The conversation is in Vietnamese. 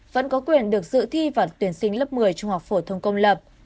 vẫn có quyền được dự thi và tuyển sinh lớp một mươi trung học phổ thông công lập